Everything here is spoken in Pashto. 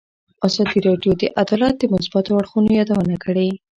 ازادي راډیو د عدالت د مثبتو اړخونو یادونه کړې.